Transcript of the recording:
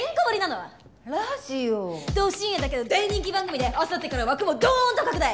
ど深夜だけど大人気番組であさってから枠もどーんと拡大！